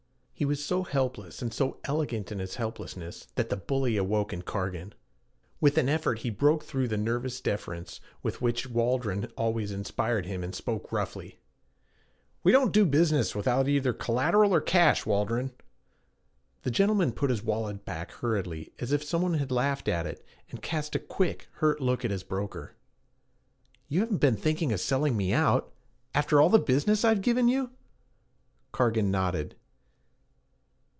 He was so helpless, and so elegant in his helplessness, that the bully awoke in Cargan. With an effort he broke through the nervous deference with which Waldron always inspired him and spoke roughly: 'We don't do business without either collateral or cash, Waldron.' The gentleman put his wallet back hurriedly as if some one had laughed at it, and cast a quick, hurt look at his broker. 'You haven't been thinking of selling me out after all the business I've given you?' Cargan nodded.